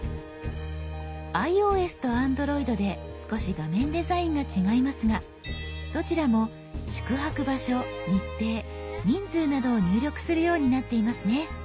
ｉＯＳとＡｎｄｒｏｉｄで少し画面デザインが違いますがどちらも宿泊場所日程人数などを入力するようになっていますね。